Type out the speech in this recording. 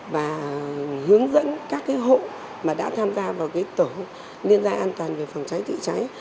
và hướng dẫn các hộ mà đã tham gia vào tổ liên gia an toàn về phòng cháy chữa cháy